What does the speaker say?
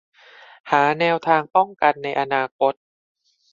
หาแนวทางป้องกันในอนาคต